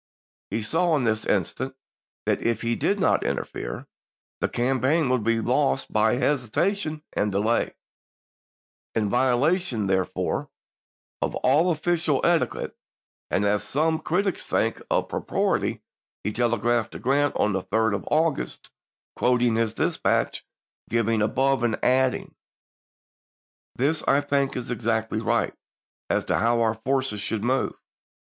He saw, in this instance, that if he did not interfere the campaign would be lost by hesitation and delay. In violation, therefore, of all official etiquette, and, as some critics think, of propriety, he telegraphed to Grant 1864. on the 3d of August, quoting his dispatch given above, and adding, " This I think is exactly right, as to how our forces should move.